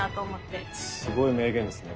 すごい名言ですね。